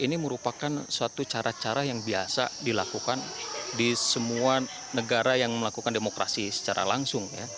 ini merupakan suatu cara cara yang biasa dilakukan di semua negara yang melakukan demokrasi secara langsung